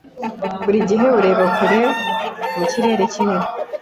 Burigihe ureba kure mu kirere kinini